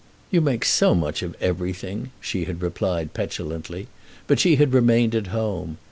"You make so much of everything," she had replied petulantly; but she had remained at home.